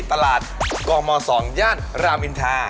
ตลาดกม๒ย่านรามอินทา